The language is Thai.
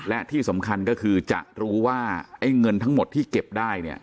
และที่สำคัญก็คือจะรู้ว่าไอ้เงินทั้งหมดที่เก็บได้เนี่ย